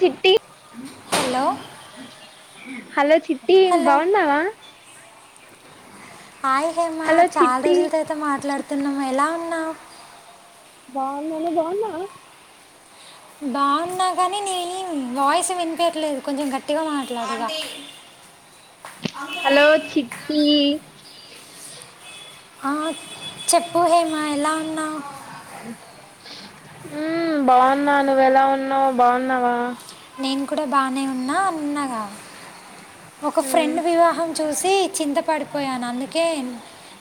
చిట్టి hello hello Chitti Chitti hello బాగున్నావా hi Hema hello చాలా చిట్టి రోజుల తర్వాత మాట్లాడుతున్నాము ఎలా ఉ బాగున్నాను నువ్వు బాగున్నా బాగున్నా గాని నీ వాయిస్ వినిపర్లేదు కొంచెం గట్టిగా మాట్లాడగా [inaudible] హలో చిట్టి. ఆహ్ చెప్పవే హేమ ఎలా ఉన్నావు. హ్మ్మ్ బాగున్నా నువ్వెలా ఉన్నావు బాగున్నావా. నేను కూడా బానే ఉన్నా అన్నాగా. ఒక మ్మ్ ఫ్రెండ్ వివాహం చూసి చింతా పడ్. పోయాను అందుకే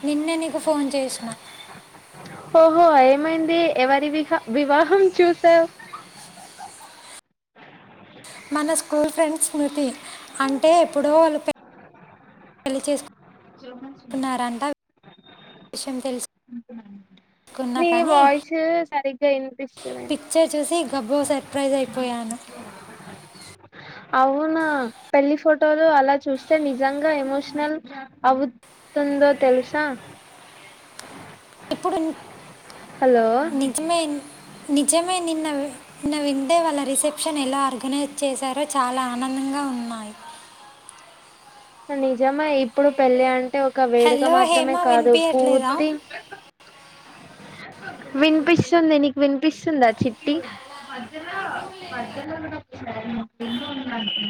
నిన్న నీకు ఫోన్ చేసిన. ఓహో ఏమైంది ఎవరి విహా వివాహం చూసావు. మన స్కూల్ ఫ్రెండ్ స్మృతి అంటే ఎప్పుడో వాళ్ళు పె పెళ్లి చేసుక్. విషయం [unintelligible] తెలుసుకున్నా మీ కానీ వాయిస్ సరిగా. వినిపిస్తలేదు. పిక్చర్ చూసి గబ్బో సర్ప్రైజ్ అయిపోయాను అవును పెళ్లి ఫోటోలు అలా చూస్తే నిజంగా ఎమోషనల్ అవు. తుందో తెలుసా. ఇప్పుడు. హలో. నిజమే నిజమే నిన్న నిన్న వింటే వాళ్ళ రిసెప్షన్ ఎలా ఆర్గనైజ్ చేశారో చాలా ఆనందంగా. ఉన్నాయి. సర్లే. నిజమే ఇప్పుడు పెళ్ళి అంటే ఒక వేడుక హలో హేమ మాత్రమే కాదు వినిపించట్లేదా పూర్తి. వినిపిస్తుంది నీకు వినిపిస్తుందా చిట్టి.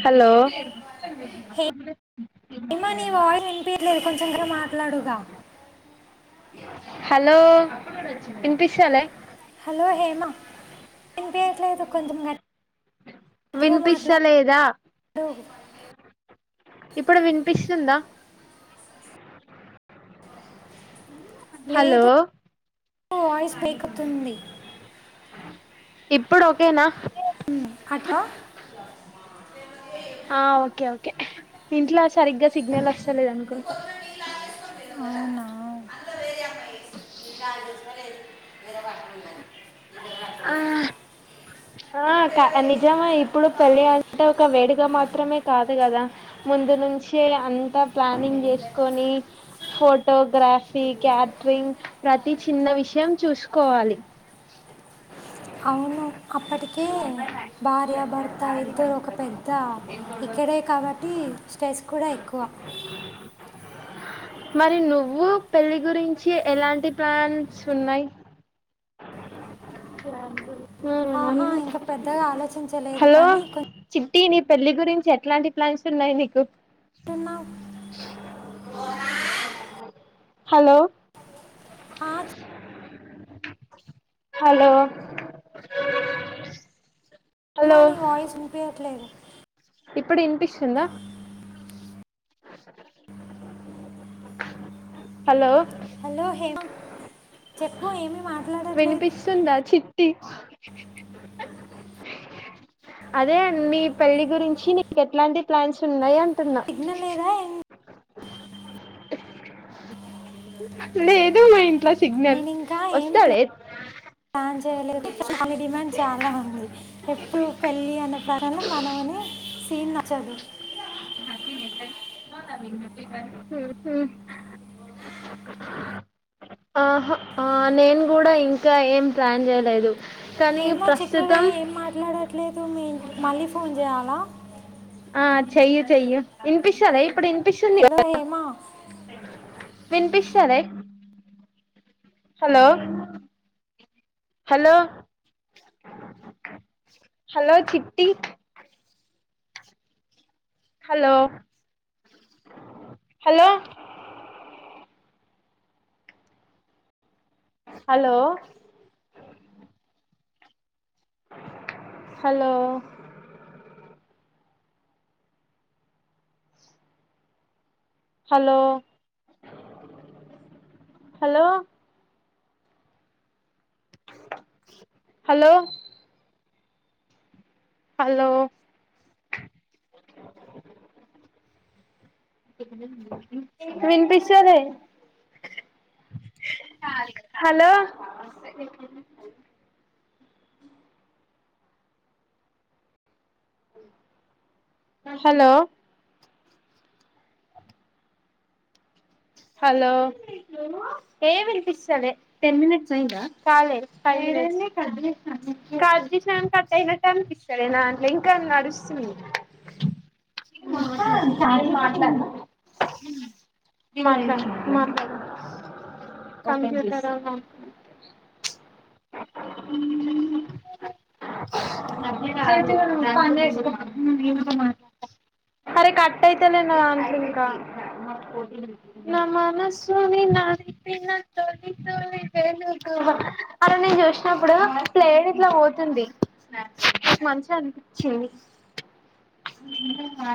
హలో. హెమా నీ వాయిస్ వినిపియట్లేదు కొంచెం గట్టిగా మాట్లాడుగా. హలో వినిపిస్తాలే. హలో హేమ వినిపియ్యట్లేదు కొంచెం గట్టి. వినిపిస్త లేదా. ఇప్పుడు వినిపిస్తుందా. హలో. లేదు వాయిస్ బ్రేక్ అవుతుంది ఇప్పుడు ఓకేనా. ఉమ్ అట్లా. ఆహ్ ఓకే ఓకే ఇంట్లో సరిగ్గా సిగ్నల్ వస్. చలేదు అనుకుంటా. అవునా [inaudible] ఆహ్. ఆహ్ అక్క నిజమే ఇప్పుడు పెళ్ళి అంటే ఒక వేడుక మాత్రమే కాదు కదా ముందు నుంచి. అంతా ప్లానింగ్ చేసుకుని ఫోటో. కాఫీ క్యాటరింగ్ ప్రతి చిన్న విషయం చూసుకోవాలి. అవును. అప్పటికి భార్య భర్త ఇద్దరు ఒక పెద్ద ఇక్కడే కాబట్టి. స్ట్రెస్ కూడా ఎక్కువ. మరి నువ్వు పెళ్లి గురించి ఎలాంటి ప్లాన్స్ ఉన్నాయి. ఆహా ఇంకా పెద్దగా ఆలోచించలేదు హలో కానీ చిట్. చి నీ పెళ్ళి గురించి ఎట్లాంటి ప్లాన్స్ ఉన్నాయి నీకు. కొంటున్నావు హలో. ఆహ్. హలో. హేమ హలో నీ వాయిస్ వినిపియట్లేదు. ఇప్పుడు వినిపిస్తుందా. హలో హలో హేమ చెప్పు ఏమి మాట్ వినిపిస్తుందా చిట్టి అదే మీ పళ్లి గురించి నీకు ఎట్లాంటి ప్లాన్స్ ఉన్నాయి అ సిగ్నల్ లేదా ఎం లేదు మా ఇంట్లో సిగ్నల్ నేను ఇంకా ఏం వస్తా లే ప్లాన్ చేయలేదు కాని డిమాండ్ చాలా ఉంది ఎప్పుడు పెళ్ళి అనే ప్రారంలో మనవుని సీన్ నచ్చదు హ్యాపీ నే కదండి ఆహ ఆ నేను కూడా ఇంకా ఏం ప్లాన్ చేయలేదు కానీ హేమ చెప్పవే ప్రస్తుతం ఏం మాట్లాడట్లేదు మీ మళ్ళీ ఫోన్ చేయాలా ఆ చెయ్యు చెయ్యు ఇనిపిస్తదా ఇప్పుడు వినిపిస్తుంది హలో హేమ వినిపిస్తలదా ఇప్ హలో హలో హలో చిట్టి hello hello hello hello hello hello hello hello [inaudible] వినిపిస్త లె హలో [inaudible] హలో హలో ఏమినిపిస్తాలే టెన్ మినట్స్ అయింద కాలే ఫైవ్ కట్ చేసిన గాని కట్ అయినట్లు అనిపిస్తలె నా దాంట్లో ఇంకా నడుస్తుంది [inaudible] కాల్ మాట్లాడిన మాట్లాడు మాట్లాడు కంప్యూటర్ [inaudible] [unintelligible] అరే కట్ అయితలే నా దాంట్లో ఇంకా నా మనస్సుని నలిపిన తొలి తొలి వెలుగువ అరా ను చూసినప్పుడు ప్లేన్ ఇట్లా పోతుంది మంచిగా అనిపిచ్చేది